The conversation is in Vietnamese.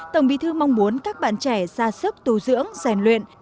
tổng bí thư mong muốn các bạn trẻ ra sức tu dưỡng rèn luyện